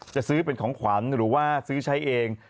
จะซื้อเป็นของขวัญหรือว่าซื้อใช้เอง